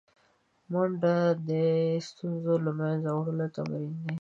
منډه د ستونزو له منځه وړو تمرین دی